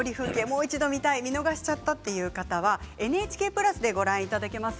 もう一度、見たい見逃しちゃったという方はＮＨＫプラスでご覧いただけます。